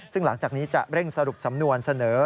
ซึ่งหลังจากนี้จะเร่งสรุปสำนวนเสนอ